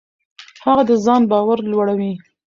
هغه د ځان باور لوړوي.